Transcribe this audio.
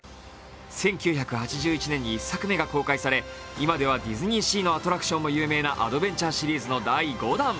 １９８１年に１作目が公開され今ではディズニーシーのアトラクションも有名なアドベンチャーシリーズの第５弾。